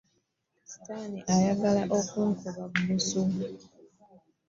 Ssitaani ayagala kunkuba bbusu.